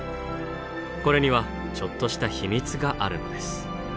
これにはちょっとした秘密があるのです。